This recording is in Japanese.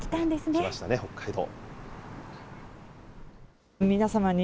来ましたね、北海道。